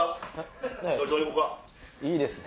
いいですね！